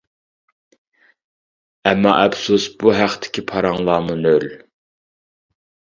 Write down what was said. ئەمما ئەپسۇس بۇ ھەقتىكى پاراڭلارمۇ نۆل.